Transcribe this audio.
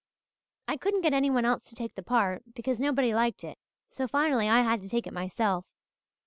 "I couldn't get anyone else to take the part, because nobody liked it, so finally I had to take it myself.